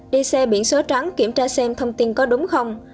đi xe biển số trắng kiểm tra xem thông tin có đúng không